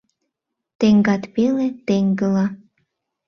Теҥгат пеле теҥгылла.